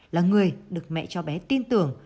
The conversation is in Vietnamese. là người được mẹ chó bé tin tưởng